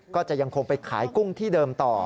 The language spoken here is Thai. ก็จะยังคงไปขายกุ้งที่เดิมต่อ